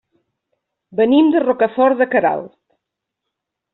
Venim de Rocafort de Queralt.